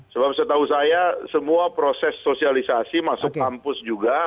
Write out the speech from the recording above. sebab setahu saya semua proses sosialisasi masuk kampus juga